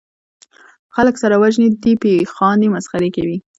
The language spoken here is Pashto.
خلک سره وژني دي پې خاندي مسخرې کوي